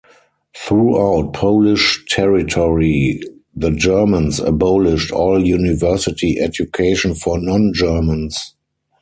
Throughout Polish territory the Germans abolished all university education for non-Germans.